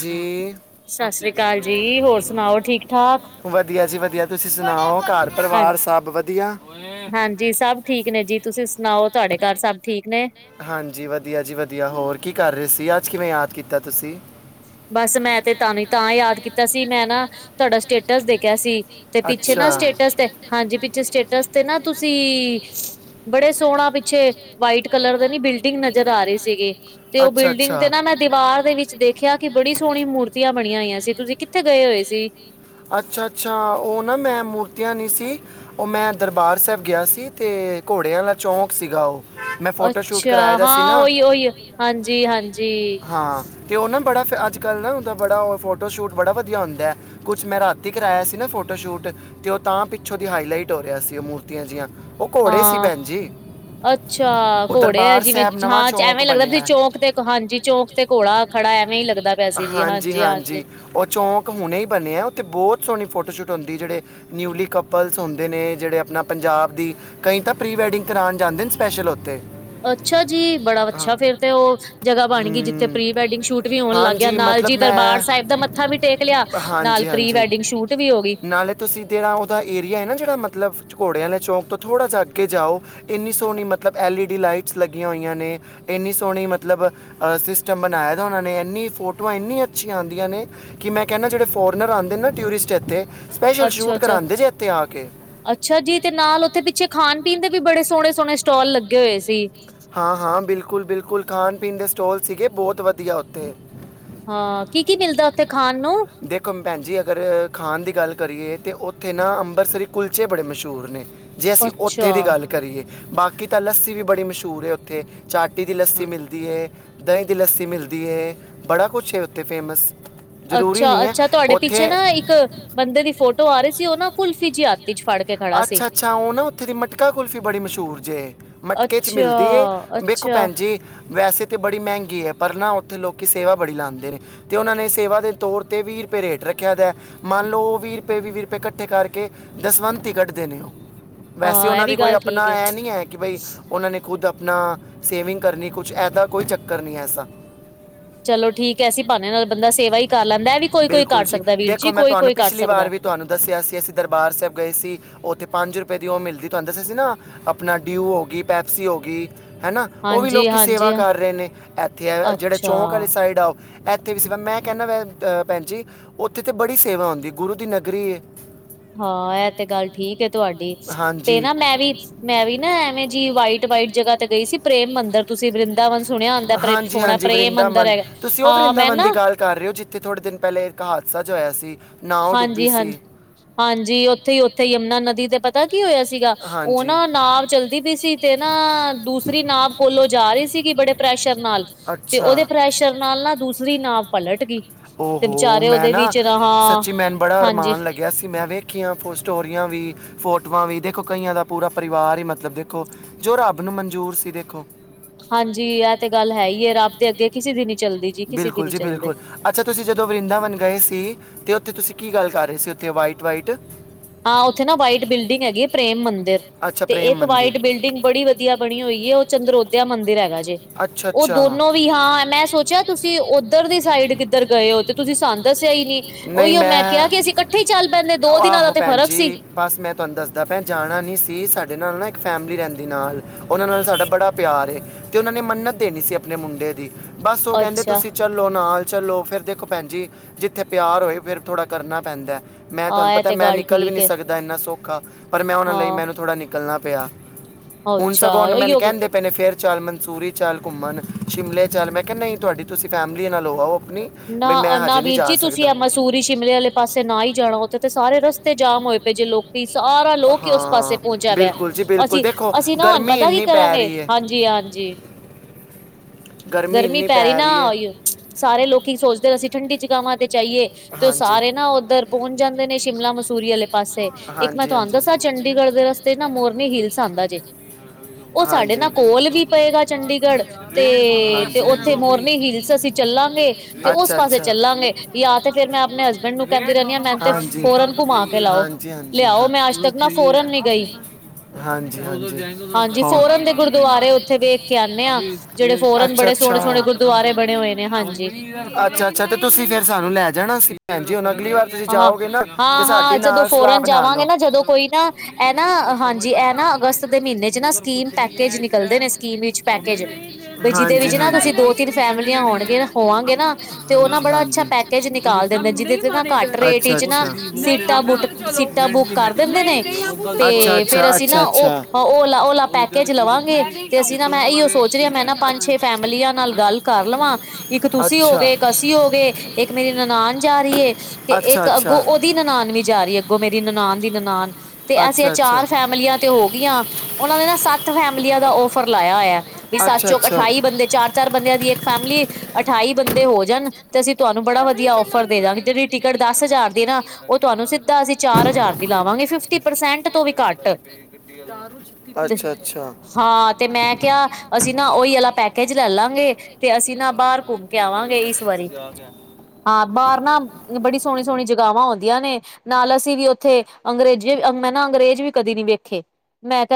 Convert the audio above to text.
ਜੀ ਸਤਿ ਸ੍ਰੀ ਅਕਾਲ ਜੀ, ਹੋਰ ਸੁਣਾਓ ਠੀਕ ਠਾਕ? ਵਧੀਆ ਜੀ ਵਧੀਆ, ਤੁਸੀਂ ਸੁਣਾਓ, ਘਰ ਹਾਂ ਹਾਂਜੀ ਸਭ ਠੀਕ ਨੇ ਜੀ, ਤੁਸੀਂ ਸੁਣਾਓ ਤੁਹਾਡੇ ਘਰ ਸਭ ਠੀਕ ਨੇ। ਹਾਂਜੀ ਵਧੀਆ ਜੀ ਵਧੀਆ, ਹੋਰ ਕੀ ਕਰ ਰਹੇ ਸੀ, ਅੱਜ ਕਿਵੇਂ ਯਾਦ ਕੀਤਾ ਤੁਸੀਂ। ਬਸ ਮੈਂ ਤੇ ਤਾਨੂੰ ਤਾਂ ਯਾਦ ਕੀਤਾ ਸੀ, ਮੈਂ ਨਾ ਤੁਹਾਡਾ ਸਟੇਟਸ ਦੇਖਿਆ ਸੀ। ਤੇ ਪਿੱਛੇ ਨਾ ਸਟੇਟਸ ਤੇ, ਹਾਂਜੀ, ਪਿੱਛੇ ਸਟੇਟਸ ਤੇ ਨਾ ਤੁਸੀਂ ਬੜੇ ਸੋਹਣਾ ਪਿੱਛੇ, ਵਾਈਟ ਕਲਰ ਦੇ ਨੀ ਬਿਲਡਿੰਗ ਨਜ਼ਰ ਆ ਰਹੀ ਸੀਗੀ। ਤੇ ਉਹ ਅੱਛਾ ਬਿਲਡਿੰਗ ਅੱਛਾ ਤੇ ਨਾ, ਮੈਂ ਦੀਵਾਰ ਦੇ ਵਿੱਚ ਵਿੱਚ ਦੇਖਿਆ, ਕਿ ਬੜੀ ਸੋਹਣੀ ਮੂਰਤੀਆਂ ਬਣੀਆਂ ਹੋਈਆਂ ਸੀ, ਤੁਸੀਂ ਕਿੱਥੇ ਗਏ ਹੋਏ ਸੀ। ਅੱਛਾ ਅੱਛਾ, ਉਹ ਨਾ ਮੈਂ ਮੂਰਤੀਆਂ ਨੀ ਸੀ ਉਹ ਮੈਂ ਦਰਬਾਰ ਸਾਹਿਬ ਗਿਆ ਸੀ, ਅਤੇ ਘੋੜਿਆਂ ਦਾ ਚੌਂਕ ਸੀਗਾ ਔ। ਅੱਛਾ, ਹਾਂ ਉਹੀ ਉਹੀ ਹਾਂਜੀ ਹਾਂਜੀ। ਅਤੇ ਉਹ ਨਾ ਬੜਾ ਅੱਜ ਕੱਲ ਨਾ, ਉਹਦਾ ਬੜਾ ਉਹ ਫੋਟੋ ਸ਼ੂਟ ਬੜਾ ਵਧੀਆ ਆੁੰਦਾ ਹੈ। ਕੁਛ ਮੈਂ ਰਾਤੀ ਕਰਾਇਆ ਸੀ ਨਾ ਫੋਟੋ ਸ਼ੂਟ। ਤੇ ਉਹ ਤਾਂ ਪਿੱਛੋਂ ਦੀ ਹਾਈ ਲਈਟ ਹੋ ਰਿਹਾ ਸੀ, ਉਹ ਮੂਰਤੀਆਂ ਜਿਆਂ, ਉਹ ਘੋੜੇ ਸੀ ਹਾਂ ਭੈਣ ਜੀ। ਅੱਛਾ, ਉਹ ਘੋੜੇ ਹੈ ਦਰਬਾਰ ਜਿਵੇਂ ਸਾਹਿਬ ਹਾਂ, ਨਵਾਂ ਚੌਂਕ ਐਵੇਂ ਲੱਗਦਾ ਤੁਸੀਂ ਬਣਿਆ ਚੌਂਕ ਤੇ, ਹਾਂਜੀ ਚੌਂਕ ਤੇ ਘੋੜ ਖੜਾ ਐਵੇਂ ਹੀ ਲੱਗਦਾ ਪਿਆ ਸੀ, ਜੀ ਹਾਂਜੀ ਹਾਂਜੀ ਉਹ ਚੌਂਕ ਹੁਣੇ ਹੀ ਬਣੇਆ ਆ, ਉੱਥੇ ਬਹੁਤ ਸੋਹਣੀ ਫੋਟੋ ਸ਼ੂਟ ਹੁੰਦੀ, ਜਿਹੜੇ ਨਿਊਲੀ ਕੱਪਲਸ ਹੁੰਦੇ ਨੇ, ਜਿਹੜੇ ਆਪਣਾ ਪੰਜਾਬ ਦੀ ਕਈ ਤਾਂ ਪ੍ਰੀ ਵੈਡਿੰਗ ਕਰਾਉਣ ਜਾਂਦੇ ਨੇ, ਸਪੈਸ਼ਲ ਉੱਥੇ। ਅੱਛਾ ਜੀ, ਬੜਾ ਅੱਛਾ, ਫੇਰ ਤੇ ਔ ਜਗ੍ਹਾ ਬਣ ਹਮ। ਗਈ, ਜਿੱਥੇ ਪ੍ਰੀ ਵੈਡਿੰਗ ਸ਼ੂਟ ਵੀ ਹੋਣ ਲੱਗ ਗਿਆ, ਹਾਂਜੀ, ਨਾਲ ਜੀ ਮਤਲਬ ਦਰਬਾਰ ਮੈਂ- ਸਾਹਿਬ ਦਾ ਮੱਥਾ ਵੀ ਟੇਕ ਲਿਆ, ਤੇ ਹਾਂਜੀ, ਨਾਲ ਪ੍ਰੀ ਹਾਂਜੀ। ਵੈਡਿੰਗ ਸ਼ੂਟ ਵੀ ਹੋ ਗਈ। ਨਾਲੇ ਸਕਦਾ। ਤੁਸੀਂ ਜਿਹੜਾ ਉਹਦਾ ਏਰੀਆ ਹੈ ਨਾ, ਜਿਹੜਾ ਮਤਲਬ, ਘੋੜੇ ਵਾਲਿਆਂ ਚੌਂ ਤੋਂ ਥੋੜ੍ਹਾ ਜਿਹਾ ਅੱਗੇ ਜਾਓ ਇੰਨੀ ਸੋਹਣੀ, ਮਤਲਬ ਐਲ ਈ ਡੀ ਲਾਈਟਸ ਲੱਗੀਆਂ ਹੋਈਆਂ ਨੇ, ਇੰਨੀ ਸੋਹਣੀ ਮਤਲਬ ਸਿਸਟਮ ਬਣਾਏ ਦਾ ਉਹਨਾਂ ਨੇ, ਇੰਨੀ ਫੋਟੋਆਂ ਇੰਨੀਆਂ ਅੱਛੀਆਂ ਆਉਂਦੀਆਂ ਨੇ, ਕਿ ਮੈਂ ਕਹਿੰਦਾ ਜਿਹੜੇ ਫੋਰਨਰ ਆਉਂਦੇ ਨਾ ਟੂਰਿਸਟ ਇੱਥੇ, ਸਪੈਸ਼ਲ ਅੱਛਾ ਸ਼ੂਟ ਅੱਛਾ ਕਰਵਾਉਂਦੇ ਜੇ, ਇੱਥੇ ਆ ਕੇ। ਅੱਛਾ ਜੀ, ਤੇ ਨਾਲ ਉੱਥੇ ਪਿੱਛੇ ਖਾਣ ਪੀਣ ਦੇ ਵੀ ਬੜੇ ਸੋਹਣੇ ਸੋਹਣੇ ਸਟਾਲ ਲੱਗੇ ਹੋਏ ਸੀ। ਹਾਂ ਹਾਂ ਬਿਲਕੁਲ ਬਿਲਕੁਲ ਖਾਣ ਪੀਣ ਦੇ ਸਟੋਲ ਸੀਗੇ, ਬਹੁਤ ਵਧੀਆ ਉੱਥੇ। ਹਾਂ, ਕੀ ਕੀ ਮਿਲਦਾ ਉੱਥੇ ਖਾਣ ਨੂੰ। ਦੇਖੋ ਭੈਣ ਜੀ ਅਗਰ ਖਾਣ ਦੀ ਗੱਲ ਕਰੀਏ, ਤੇ ਉੱਥੇ ਨਾ ਅੰਬਰਤਸਰੀ ਕੁਲਚੇ ਬੜੇ ਮਸ਼ਹੂਰ ਨੇ। ਜੇ ਅਸੀਂ ਅੱਛਾ ਉੱਥੇ ਦੀ ਗੱਲ ਕਰੀਏ, ਬਾਕੀ ਤਾਂ ਲੱਸੀ ਵੀ ਬੜੀ ਮਸ਼ਹੂਰ ਹੈ ਉੱਥੇ, ਚਾਟਟੀ ਦੀ ਲੱਸੀ ਮਿਲਦੀ ਏ, ਕ ਦਹੀਂ ਦੀ ਲੱਸੀ ਮਿਲਦੀ ਏ ਬੜਾ ਕੁਛ ਹੈ ਉੱਥੇ ਫੇਮਸ ਜ਼ਰੂਰੀ ਅੱਛਾ ਨਹੀਂ ਹੈ ਅੱਛਾ ਤੁਹਾਡੇ ਉੱਥੇ ਪਿੱਛੇ ਨਾ ਇੱਕ ਬੰਦੇ ਦੀ ਫੋਟੋ ਆ ਰਹੀ ਸੀ ਉਹ ਨਾ ਕੁਲਫ਼ੀ ਜੀ ਆਤੀ ਚ ਫੜ ਕੇ ਖੜਾ ਸੀ ਅੱਛਾ ਅੱਛਾ, ਉਹ ਨਾ ਉੱਥੇ ਦੀ ਮਟਕਾ ਕੁਲਫ਼ੀ ਬੜੀ ਮਸ਼ਹੂਰ ਜੇ। ਮਟਕੇ ਚ ਮਿਲਦੀ ਏ, ਅੱਛਾ, ਵੇਖੋ ਅੱਛਾ ਭੈਣ ਜੀ ਵੈਸੇ ਤਾਂ ਅਤੇ ਬੜੀ ਮਹਿੰਗੀ ਹੈ, ਪਰ ਨਾ ਉੱਥੇ ਲੋਕ ਸੇਵਾ ਬੜੀ ਲਾਉਂਦੇ ਨੇ। ਤੇ ਉਹਨਾਂ ਨੇ ਸੇਵਾ ਦੇ ਤੌਰ ਤੇ, ਵੀਹ ਰੁਪਏ ਰੇਟ ਰੱਖਿਆ ਦਾ। ਮੰਨ ਲਓ ਉਹ ਵੀਹ ਰੁਪਏ ਵੀਹ, ਵੀਹ ਰੁਪਏ ਇਕੱਠੇ ਕਰਕੇ ਦਸਵੰਤ ਕੱਢਦੇ ਨੇ ਉਹ, ਵੈਸੇ ਹਾਂ ਇਹ ਉਹਨਾਂ ਵੀ ਦੀ ਕੋਈ ਗੱਲ ਠੀਕ ਆਪਣਾ ਏ। ਇਹ ਨਹੀਂ ਹੈ, ਕਿ ਬਈ ਉਹਨਾਂ ਨੇ ਖੁਦ ਨ ਸੇਵਿੰਗ ਕਰਨੀ ਕੁਛ, ਇਹਦਾ ਕੋਈ ਚੱਕਰ ਨਹੀਂ ਐਸਾ। ਚਲੋ ਠੀਕ ਹੈ, ਐਸੀਂ ਬਹਾਨੇ ਨਾਲ ਬੰਦਾ ਸੇਵਾ ਹੀ ਕਰ ਲੈਂਦਾ, ਐ ਵੀ ਕੋਈ ਕੋਈ ਕਰ ਬਿਲਕੁਲ ਸਕਦਾ ਵੀਰ ਦੇਖੋ ਜੀ, ਮੈਂ ਕੋਈ ਤੁਹਾਨੂੰ ਕੋਈ ਪਿਛਲੀ ਵਾਰ ਵੀ ਤੁਹਾਨੂੰ ਦੱਸਿਆ ਸੀ ਅਸੀਂ ਦਰਬਾਰ ਸਾਹਿਬ ਗਏ ਸੀ ਉੱਥੇ ਪੰਜ ਰੁਪਏ ਦੀ ਉਹ ਮਿਲਦੀ ਤੁਹਾਨੂੰ ਦੱਸਿਆ ਸੀ ਨਾ ਆਪਣਾ ਡਿਊ ਹੋ ਗਈ ਪੈਪਸੀ ਹੋ ਗਈ ਹੈਾ ਉਹ ਵੀ ਲੋਕ ਹਾਂਜੀ-ਹਾਂਜੀ ਸੇਵਾ ਕਰ ਰਹੇ ਨੇ ਇੱਥੇ ਆ ਜਿਹੜੇ ਅੱਛਾ ਚੌਂਕ ਵਾਲੀ ਸਾਈਡ ਆਓ ਇੱਥੇ ਵੀ ਸੇਵਾ ਮੈਂ ਕਹਿੰਦਾ ਵ ਭੈਣ ਜੀ ਉੱਥੇ ਤੇ ਬੜੀ ਸੇਵਾ ਹਉਂਦੀ ਗੁਰੂ ਦੀ ਨਗਰੀ ਹਾਂ ਇਹ ਤੇ ਗੱਲ ਠੀਕ ਹੈ ਤੁਹਾਡੀ ਤੇ ਹਾਂਜੀ ਨਾ ਮੈਂ ਵੀ ਮੈਂ ਵੀ ਨਾ ਐਵੇਂ ਜੀ ਵਾਈਟ ਵਾਈਟ ਜਗ੍ਹਾ ਤੇ ਗਈ ਸੀ ਪ੍ਰੇਮ ਮੰਦਿਰ ਤੁਸੀਂ ਵਰਿੰਦਾਵਨ ਸੁਣਿਆ ਆਉਦਾ ਪ੍ਰੇ ਸੋਹਣਾ ਪ੍ਰੇਮ ਮੰਦਰ ਹੈਗਾ ਤੁਸੀਂ ਉਹ ਹਾਂ ਮੈਂ ਵਰਿੰਦਾਵਨ ਦੀ ਨਾ ਗੱਲ ਕਰ ਰਹੇ ਹੋ ਜਿੱਥੇ ਥੋੜੇ ਦਿਨ ਪਹਿਲੇ ਇੱਕ ਹਾਦਸਾ ਜਿਆ ਹੋਇਆ ਸੀ ਨਾਉ ਡੁੱਬੀ ਹਾਂਜੀ ਸੀ ਹਾਂਜੀ ਹਾਂਜੀ ਉੱਥੇ ਹੀ ਉੱਥੇ ਯਮੁਨਾ ਨਦੀ ਤੇ ਪਤਾ ਕੀ ਹੋਇਆ ਸੀਗਾ ਉਹ ਹਾਂਜੀ। ਨਾ ਨਾਪ ਚੱਲਦੀ ਪਈ ਸੀ ਤੇ ਨਾ ਦੂਸਰੀ ਨਾਪ ਕੋਲੋਂ ਜਾ ਰਹੀ ਸੀਗੀ ਬੜੇ ਪ੍ਰੈਸ਼ਰ ਨਾਲ ਤੇ ਉਹਦੇ ਪ੍ਰੈਸ਼ਰ ਨਾਲ ਨਾ ਦੂਸਰੀ ਨਾਵ ਪਲਟ ਗਈ ਤੇ ਓਹੋ ਵਿਚਾਰੇ ਮੈਂ ਉਹਦੇ ਨਾ ਵਿੱਚ ਰਾਂ ਸੱਚੀ ਮੈਨੂੰ ਹਾਂ ਬੜਾ ਅਰਮਾਨ ਲੱਗਿਆ ਸੀ ਮੈਂ ਵੇਖੀਆਂ ਫ ਸਟੋਰੀਆਂ ਵੀ ਫੋਟੋਆਂ ਵੀ ਦੇਖੋ ਕਈਆਂ ਦਾ ਪੂਰਾ ਪਰਿਵਾਰ ਹੀ ਮਤਲਬ ਦੇਖੋ ਜੋ ਰੱਬ ਨੂੰ ਮਨਜੂਰ ਸੀ ਦੇਖੋ ਹਾਂਜੀ ਇਹ ਤੇ ਗੱਲ ਹੈ ਹੀ ਹੈ ਰੱਬ ਦੇ ਅੱਗੇ ਕਿਸੇ ਦੀ ਨੀ ਚੱਲਦੀ ਜੀ ਕਿਸੇ ਦੀ ਬਿਲਕੁਲ ਨੀ ਜੀ ਚੱਲਦੇ ਬਿਲਕੁਲ ਅੱਛਾ ਤੁਸੀਂ ਜਦੋਂ ਵਰਿੰਦਾਵਨ ਗਏ ਸੀ ਤੇ ਉੱਥੇ ਤੁਸੀਂ ਕੀ ਗੱਲ ਕਰ ਰਹੇ ਸੀ ਉਥੇ ਵਾਈਟ ਵਾਈਟ ਹਾਂ ਉੱਥੇ ਨਾ ਵਾਈਟ ਬਿਲਡਿੰਗ ਹੈਗੀ ਪ੍ਰੇਮ ਮੰਦਿਰ ਅੱਛਾ ਤੇ ਪ੍ਰੇਮ ਇੱਕ ਮੰਦਿਰ ਵਾਈਟ ਬਿਲਡਿੰਗ ਬੜੀ ਵਡੀ ਬਣੀ ਹੋਈ ਹੈ ਉਹ ਚੰਦਰੋਧਿਆ ਮੰਦਿਰ ਹੈਗਾ ਜੇ ਅੱਛਾ ਉਹ ਅੱਛਾ ਦੋਨੋ ਵੀ ਹਾਂ ਮੈਂ ਸੋਚਿਆ ਤੁਸੀਂ ਉੱਧਰ ਦੀ ਸਾਈਡ ਕਿੱਧਰ ਗਏ ਹੋ ਤੇ ਤੁਸੀਂ ਸਾਨੁੰ ਦੱਸਿਆ ਈ ਨਹੀਂ ਉਹੀਓ ਮੈਂ ਕਿਹਾ ਕਿ ਅਸੀਂ ਇਕੱਠੇ ਹੀ ਚੱਲ ਪੈਂਦੇ ਦੋ ਦਿਨਾਂ ਦਾ ਫ਼ਰਕ ਸੀ ਜੀ ਬਸ ਮੈਂ ਤੁਹਾਨੂੰ ਦੱਸਦਾ ਪੈਂ ਜਾਣਾ ਨਹੀਂ ਸੀ ਸਾਡੇ ਨਾਲ ਨਾ ਇੱਕ ਫੈਮਿਲੀ ਰਹਿੰਦੀ ਨਾਲ ਉਹਨਾਂ ਨਾਲ ਸਾਡਾ ਬੜਾ ਪਿਆਰ ਤੇ ਉਹਨਾਂ ਨੇ ਮੰਨਤ ਦੇਣੀ ਸੀ ਆਪਣੇ ਮੁੰਡੇ ਦੀ ਬਸ ਉਹ ਕਹਿੰਦੇ ਅੱਛਾ ਤੁਸੀਂ ਚੱਲੋ ਨਾਲ ਚਲੋ ਫੇਿਰ ਦੇਖੋ ਭੈਣ ਜੀ ਜਿੱਥੇ ਪਿਆਰ ਹੋਏ ਫੇਿਰ ਥੋੜਾ ਕਰਨਾ ਪੈਂਦਾ ਮੈਂ ਹਾਂ ਤੁਹਾਨੂੰ ਇਹ ਪਤਾ ਤੇ ਮੈਂ ਗੱਲ ਨਿਕਲ ਵੀ ਠੀਕ ਨਹੀਂ ਹੈ ਸਕਦਾ ਇੰਨਾ ਸੌਖਾ ਪਰ ਮੈਂ ਉਹਨਾਂ ਲਈ ਹਾਂ ਮੈਨੂੰ ਥੋੜ੍ਹਾ ਨਿਕਲਣਾ ਪਿਆ ਹੁਣ ਅੱਛਾ ਸਗੋਂਨ ਮੈਨ ਉਹੀਓ ਕਹਿਣਦੇ ਆਪੇ ਨੇ ਫੇਿਰ ਚੱਲ ਮਨਸੂਰੀ ਚੱਲ ਘੁੰਮਣ ਸ਼ਿਮਲੇ ਚੱਲ ਮੈਂ ਕਿਹਾ ਨਹੀਂ ਤੁਹਾਡੀ ਤੁਸੀਂ ਫੈਮਿਲੀ ਨਾਲੋਂ ਆਓ ਨਹੀਂ ਬਈ ਮੈਂ ਨਾ ਨਾ ਹਜੇ ਵੀਰ ਜਾ ਜੀ ਤੁਸੀਂ ਸਕਦਾ ਆ ਮਸੂਰੀ ਸ਼ਿਮਲੇ ਵਾਲੇ ਪਾਸੇ ਨਾ ਹੀ ਜਾਣਾ ਉੱਥੇ ਤੇ ਸਾਰੇ ਰਸਤੇ ਜਾਮ ਹੋਏ ਪਏ ਜੇ ਲੋਕੀ ਸਾਰਾ ਲੋਕ ਹੀ ਉਸ ਪਾਸੇ ਹਾਂ ਪਹੁੰਚਿਆ ਪਿਆ ਬਿਲਕੁਲ ਜੀ ਬਿਲਕੁਲ ਅਸੀਂ ਦੇਖੋ ਅਸੀਂ ਨਾ ਹੁਣ ਗਰਮੀ ਪਤਾ ਕੀ ਇੰਨੀ ਪੈ ਕਰਾਂਗੇ ਰਹੀ ਹੈ ਹਾਂਜੀ ਹਾਂਜੀ [unintelligible] ਗਰਮੀ ਇੰਨੀ ਪੈਰੀ ਪੈ ਨਾ ਰਹੀ ਹੈ ਸਾਰੇ ਲੋਕੀ ਸੋਚਦੇ ਅਸੀਂ ਠੰਡੀ ਜਗਾਾਵਾਂ ਤੇ ਚਈਏ ਤੇ ਉਹ ਹਾਂਜੀ ਸਾਰੇ ਨਾ ਉੱਧਰ ਪਹੁੰਚ ਜਾਂਦੇ ਨੇ ਸ਼ਿਮਲਾ ਮਸੂਰੀ ਵਾਲੇ ਪਾਸੇ ਇੱਕ ਮੈਂ ਹਾਂਜੀ ਤੁਹਾਨ ਹਾਂਜੀ ਦੱਸਾਂ ਚੰਡੀਗੜ੍ਹ ਦੇ ਰਸਤੇ ਨਾ ਮੋਰਨੀ ਹਲਸ ਆਉਂਦਾ ਜੇ ਉਹ ਸਾਡੇ ਹਾਂਜੀ ਨਾ ਹਾਂਜੀ ਕੋਲ ਵੀ ਪਏਗਾ ਚੰਡੀਗੜ੍ਹ ਤੇ ਤੇ ਉੱਥੇ ਹਾਂਜੀ ਮੋਰਨੀ ਹਿਲਸ ਅਸੀ ਚੱਲਾਂਗੇ ਤੇ ਉਸ ਪਾਸੇ ਚੱਲਾਂਗੇ ਜਾਂ ਤੇ ਫੇਰ ਮੈਂ ਆਪਣੇ ਹਸਬੈਂਡ ਨੂੰ ਕਹਿੰਦੀ ਰਹਿੰਦੀ ਹਾਂ ਮੈਨੂੰ ਤੇ ਹਾਂਜੀ ਫੋਰਨ ਘੁਮਾ ਕੇ ਹਾਂਜੀ ਲਾਓ ਹਾਂਜੀ ਹਾਂ ਲਿਆਓ [unintelligible] ਮੈਂ ਅੱਜ ਤੱਕ ਨਾ ਫੋਰਨ ਨੀ ਗਈ ਹਾਂਜੀ- ਹਾਂਜੀ ਹਾਂਜੀ ਫੋਰਨ ਦੇ ਗੁਰਦੁਆਰੇ ਉੱਥੇ ਵੇਖ ਕੇ ਆਉਂਦੇ ਹਾਂ ਜਿਹੜੇ ਹੋਰ ਫੋਰਨ ਅੱਛਾ ਬੜੇ -ਅੱਛਾ। ਸੋਹਣੇ ਸੋਹਣੇ ਗੁਰਦੁਆਰੇ ਬਣੇ ਹੋਏ ਨੇ ਹਾਂਜੀ ਅੱਛਾ ਅੱਛਾ ਤੇ ਤੁਸੀਂ ਫੇਿਰ ਸਾਨੂੰ ਲੈ ਜਾਣਾ ਸੀ ਹਾਂਜੀ ਹੁਣ ਅਗਲੀ ਵਾਰ ਤੁਸੀਂ ਹਾਂ ਜਾਓਗੇ ਨਾ ਤੇ ਹਾਂ ਹਾਂ ਸਾਡੀ ਜਦੋਂ ਨਾਲ ਸਲਾਹ ਫੋਰਨ ਬਣਾ ਜਾਵਾਂਗੇ ਲਓ ਨਾ ਜਦੋਂ ਕੋਈ ਨਾ ਇਹ ਨਾ ਹਾਂਜੀ ਇਹ ਨਾ ਅਗਸਤ ਦੇ ਮਹੀਨੇ ਚ ਨਾ ਸਕੀਮ ਪੈਕੇਜ ਨਿਕਲਦੇ ਨੇ ਸਕੀਮ ਵਿੱਚ ਪੈਕੇਜ ਬਈ ਜਿਹਦੇ ਹਾਂਜੀ ਵਿੱਚ ਨਾ ਤੁਸੀਂ ਹਾਂਜੀ ਦੋ ਤਿੰਨ ਫੈਮਲੀਆਂ ਹੋਣਗੇ ਹੋਵਾਂਗੇ ਨਾ ਤੇ ਉਹ ਹਾਂਜੀ ਬੜਾ ਅੱਛਾ ਹਾਂਜੀ ਪੈਕੇ ਚ ਨਿਕਾਲ ਦਿੰਦੇ ਜਿਹਦੇ ਨਾ ਘੱਟ ਰੇਟ ਅੱਛਾ ਵਿਚ ਨਾ ਅੱਛਾ ਸੀਟਾਂ ਬੁਕ ਸੀਟਾਂ ਬੁੱਕ ਕਰ ਦਿੰਦੇ ਨੇ ਤੇ ਫੇਰ ਅਸੀਂ ਨਾ ਉਹ ਓਲਾ ਓਲਾ ਪੈਕੇਜ ਲਵਾਂਗੇ ਤੇ ਅਸੀਂ ਨਾ ਮੈਂ ਇਓ ਸੋਚ ਰਹਾ ਹਾਂ ਮੈਂ ਨਾ ਪੰਜ ਅੱਛੇ ਫੈਮਲੀਆਂ ਨਾਲ ਗੱਲ ਕਰ ਲਵਾਂ ਇੱਕ ਤੁਸੀਂ ਹੋਗੇਏ ਇੱਕ ਅਸੀਂ ਹੋਗੇਏ ਇੱਕ ਮੇਰੀ ਨਨਾਾਨ ਜਾ ਰਹੀ ਤੇ ਇੱਕ ਅੱਗੋਂ ਦੀ ਨਦਾਨ ਵੀ ਜਾ ਰਹੀ ਅੱਗੋਂ ਮੇਰੀ ਨਨਾਾਨ ਦੀ ਨਦਾਨ ਤੇ ਐਸੀਆਂ ਚਾਰ ਫੈਮਲੀਆਂ। ਤੇ ਹੋ ਗਈਆਂ। ਉਹਨਾਂ ਨੇ ਨਾ ਸੱਤ ਫੈਮਲੀਆਂ ਦਾ ਔਫਰ ਲਾਇਆ ਹੋਇਆ। ਵੀ ਸੱਤ ਚੋਕ ਅਠਾਈ ਬੰਦੇ। ਚਾਰ- ਚਾਰ ਬੰਦਿਆਂ ਦੀ ਇੱਕ ਫੈਮਿਲੀ। ਅਠਾਈ ਬੰਦੇ ਹੋ ਜਾਣ। ਤੇ ਅਸੀਂ ਤੁਹਾਨੂੰ ਬੜਾ ਵਧੀਆ ਆਫਰ ਦੇਾਂਗੇ। ਜਿਹੀ ਦਸ ਹਜ਼ਾਰ ਦੀ ਨਾ। ਉਹ ਤੁਹਾਨੂੰ ਸਿੱਧਾ ਅਸੀਂ ਚਾਰ ਹਜ਼ਾਰ ਦੀ ਲਾਵਾਂਗੇ। ਫਿਫਟੀ ਪਰਸੈਂਟ ਤੋਂ ਵੀ ਘੱਟ। ਸਾਰ। ਹਾਂ। ਤੇ ਮੈਂ ਕਿਹਾ, ਅਸੀਂ ਨਾ ਉਹੀ ਵਾਲਾ ਪੈਕੇਜ ਲੈ ਲਾਂਗੇ। ਤੇ ਅਸੀਂ ਨਾ ਬਾਹਰ ਘੁੰਮ ਕੇ ਆਵਾਂਗੇ ਇਸ ਵਾਰੀ ਹਾਂ। ਬਾਹਰ ਨਾ। ਬੜੀ ਸੋਹਣੀ- ਸੋਹਣੀ ਜਗਵਾਂ ਆਂਦੀਆਂ ਨੇ। ਨਾਲ ਅਸੀਂ ਵੀ ਉੱਥੇ ਅੰਗਰੇਜ਼ੀ ਮੈਂ ਨਾ ਅੰਗਰੇਜ਼ ਵੀ ਕਦੇ ਨੀ ਵੇਖੇ। ਮੈਂ ਕਿਹਾ,